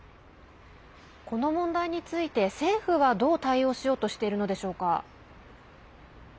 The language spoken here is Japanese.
この問題について政府は、どう対応しようとしているのでしょうか。